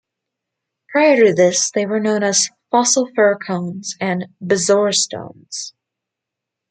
Prior to this they were known as "fossil fir cones" and "bezoar stones".